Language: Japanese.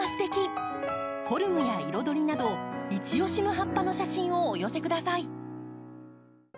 フォルムや彩りなどいち押しの葉っぱの写真をお寄せください。